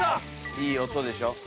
いい音でしょ？